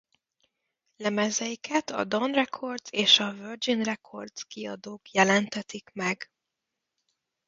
Lemezeiket a Dawn Records és a Virgin Records kiadók jelentetik meg.